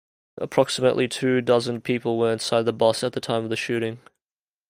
Approximately two dozen people were inside the bus at the time of the shooting.